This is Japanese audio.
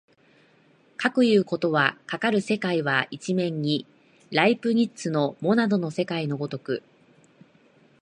かくいうことは、かかる世界は一面にライプニッツのモナドの世界の如く